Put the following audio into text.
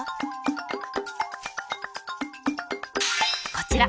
こちら。